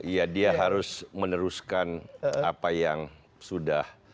ya dia harus meneruskan apa yang sudah